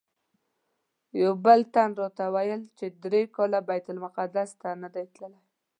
یو بل تن راته ویل چې درې کاله بیت المقدس ته نه دی تللی.